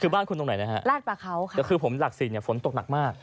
คือบ้านคุณตรงไหนนะฮะลาดปลาเขาค่ะแต่คือผมหลักสี่เนี่ยฝนตกหนักมาก